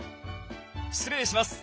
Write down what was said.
失礼します。